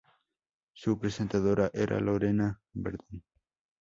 Su presentadora era Lorena Berdún.